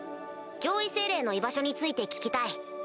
上位精霊の居場所について聞きたい。